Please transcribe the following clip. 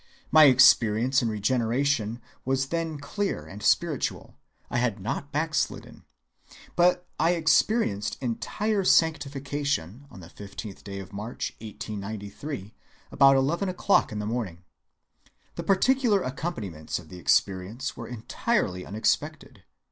My experience in regeneration was then clear and spiritual, and I had not backslidden. But I experienced entire sanctification on the 15th day of March, 1893, about eleven o'clock in the morning. The particular accompaniments of the experience were entirely unexpected.